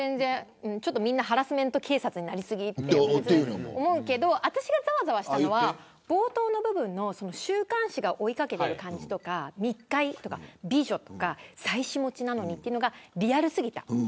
みんなハラスメント警察になり過ぎと思うけど私がざわざわしたのは冒頭の週刊誌が追いかけている感じとか密会とか美女とか妻子持ちなのにというのがリアル過ぎた。